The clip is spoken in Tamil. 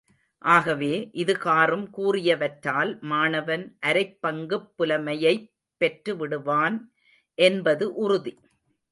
ஆகவே, இதுகாறும் கூறியவற்றால் மாணவன் அரைப் பங்குப் புலமையைப் பெற்றுவிடுவான் என்பது உறுதி.